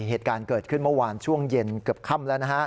เหตุการณ์เกิดขึ้นเมื่อวานช่วงเย็นเกือบค่ำแล้วนะฮะ